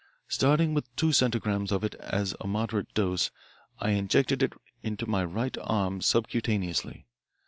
"Starting with two centigrams of it as a moderate dose, I injected it into my right arm subcutaneously.